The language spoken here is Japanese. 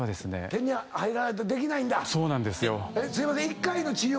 １回の治療